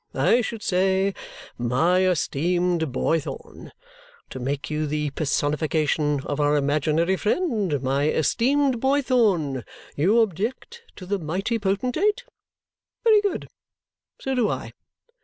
I should say, 'My esteemed Boythorn' to make you the personification of our imaginary friend 'my esteemed Boythorn, you object to the mighty potentate? Very good. So do I.